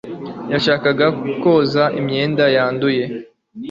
yashakaga koza imyenda yanduye